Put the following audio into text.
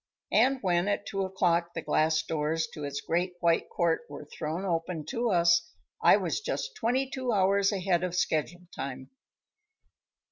And when at two o'clock the glass doors to its great white court were thrown open to us, I was just twenty two hours ahead of schedule time.